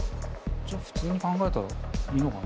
じゃあ普通に考えたらいいのかな。